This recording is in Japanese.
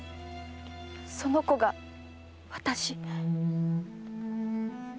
その子が私？